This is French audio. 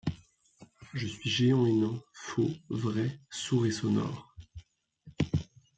Je suis géant et nain, faux, vrai, sourd et sonore